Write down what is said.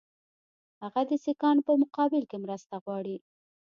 هغه د سیکهانو په مقابل کې مرسته وغواړي.